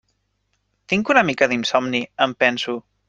Tinc una mica d'insomni, em penso.